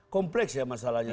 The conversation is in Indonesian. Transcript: kompleks ya masalahnya